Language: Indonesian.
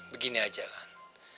begini aja lan